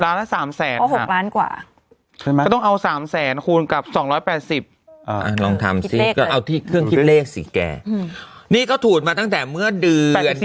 ล้านแล้ว๓แสน๖ล้านกว่าใช่ไหมต้องเอา๓แสนคูณกับ๒๘๐ลองทำซิก็เอาที่เครื่องคิดเลขสิแกนี่ก็ถูกมาตั้งแต่เมื่อเดือน